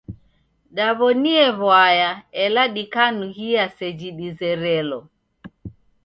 Dew'oniee w'aya ela dikanughia seji dizerelo.